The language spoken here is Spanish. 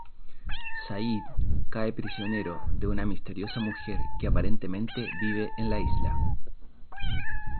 Sayid cae prisionero de una misteriosa mujer que aparentemente vive en la Isla.